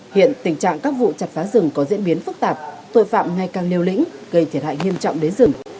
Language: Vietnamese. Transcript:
hiện tình trạng các vụ chặt phá rừng có diễn biến phức tạp tội phạm ngày càng liều lĩnh gây thiệt hại nghiêm trọng đến rừng